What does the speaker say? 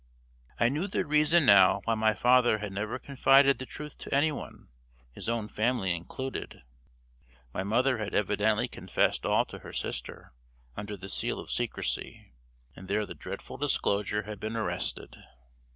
I knew the reason now why my father had never confided the truth to anyone, his own family included. My mother had evidently confessed all to her sister under the seal of secrecy, and there the dreadful disclosure had been arrested.